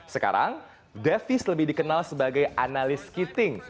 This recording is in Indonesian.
sekarang davis lebih dikenal sebagai analis skeeting